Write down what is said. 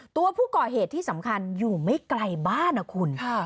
ตัวผู้ก่อเหตุที่สำคัญอยู่ไม่ไกลบ้านนะคุณ